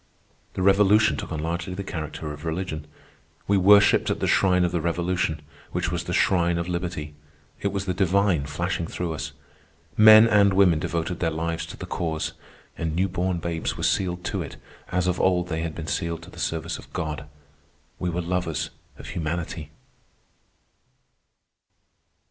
The Revolution took on largely the character of religion. We worshipped at the shrine of the Revolution, which was the shrine of liberty. It was the divine flashing through us. Men and women devoted their lives to the Cause, and new born babes were sealed to it as of old they had been sealed to the service of God. We were lovers of Humanity.